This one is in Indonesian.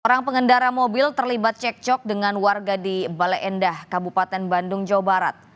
orang pengendara mobil terlibat cekcok dengan warga di bale endah kabupaten bandung jawa barat